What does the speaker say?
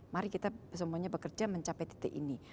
mari kita semuanya bekerja mencapai titik ini